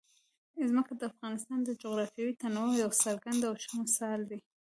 ځمکه د افغانستان د جغرافیوي تنوع یو څرګند او ښه مثال دی.